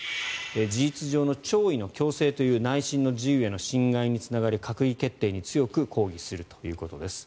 事実上の弔意の強制という内心の自由の侵害につながり閣議決定に強く抗議するということです。